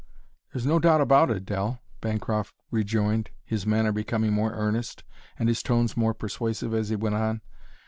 "There's no doubt about it, Dell," Bancroft rejoined, his manner becoming more earnest and his tones more persuasive as he went on.